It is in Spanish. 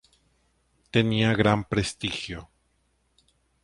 Tenía gran prestigio.